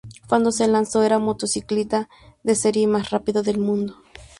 Cuando se lanzó, era la motocicleta de serie más rápida del mundo.